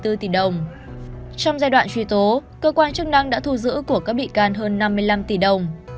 trong giai đoạn truy tố cơ quan chức năng đã thu giữ của các bị can hơn năm mươi năm tỷ đồng